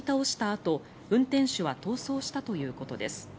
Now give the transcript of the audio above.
あと運転手は逃走したということです。